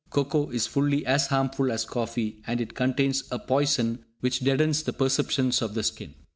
Cocoa is fully as harmful as coffee, and it contains a poison which deadens the perceptions of the skin.